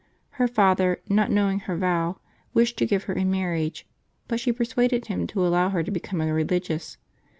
Her father, not knowing her vow, wished to give her in marriage, but she persuaded him to allow her to l^ecome a religious.